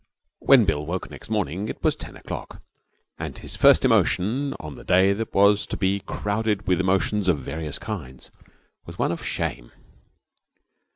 22 When Bill woke next morning it was ten o'clock; and his first emotion, on a day that was to be crowded with emotions of various kinds, was one of shame.